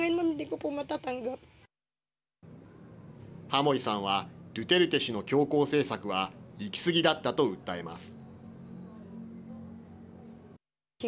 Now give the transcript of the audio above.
ハモイさんはドゥテルテ氏の強硬政策は行き過ぎだったと訴えます。